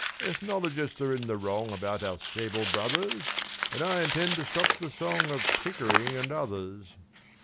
"Ethnologists are in the wrong About our sable brothers; And I intend to stop the song Of Pickering and others."